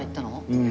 うん。